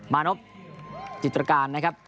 มานพจิตรการนะครับ